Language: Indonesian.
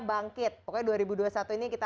bangkit pokoknya dua ribu dua puluh satu ini kita